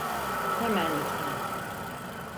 Hemen lütfen.